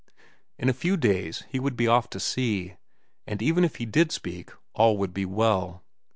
In a few days he would be off to sea. And even if he did speak, all would be well.